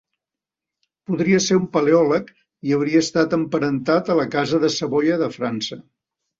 Podria ser un paleòleg i hauria estat emparentat a la casa de Savoia de França.